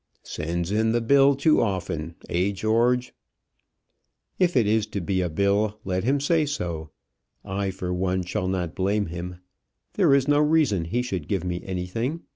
"Sends in the bill too often eh, George?" "If it is to be a bill, let him say so. I for one shall not blame him. There is no reason he should give me anything.